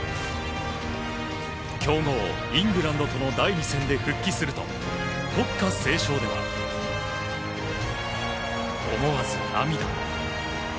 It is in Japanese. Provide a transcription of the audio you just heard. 強豪イングランドとの第２戦で復帰すると、国歌斉唱では思わず、涙。